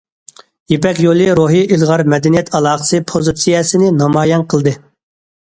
يىپەك يولى روھى ئىلغار مەدەنىيەت ئالاقىسى پوزىتسىيەسىنى نامايان قىلدى.